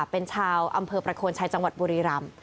เป็นชาวอำเภอประโคนชัยจังหวัดบุรีรำ